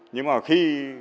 nhưng mà khi